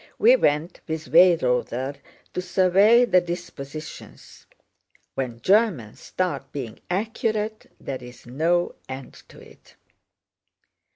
We went with Weyrother to survey the dispositions. When Germans start being accurate, there's no end to it!"